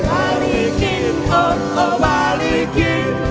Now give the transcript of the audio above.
balikin oh oh balikin